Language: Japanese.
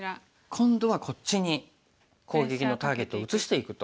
今度はこっちに攻撃のターゲットを移していくと。